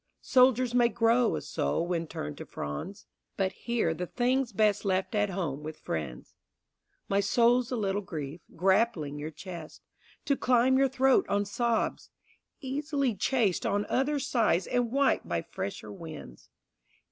Soldiers may grow a soul when turned to fronds, But here the thing's best left at home with friends. My soul's a little grief, grappling your chest, To climb your throat on sobs; easily chased On other sighs and wiped by fresher winds.